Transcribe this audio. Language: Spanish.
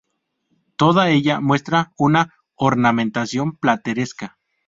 Toda ella muestra una ornamentación plateresca.